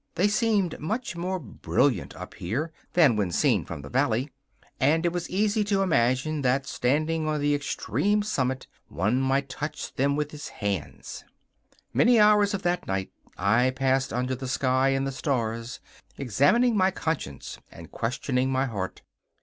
They seemed much more brilliant up here than when seen from the valley, and it was easy to imagine that, standing on the extreme summit, one might touch them with his hands. Many hours of that night I passed under the sky and the stars, examining my conscience and questioning my heart.